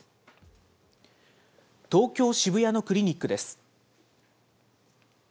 東京・渋谷のクリニックです。